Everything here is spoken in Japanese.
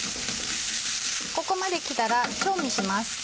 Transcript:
ここまできたら調味します。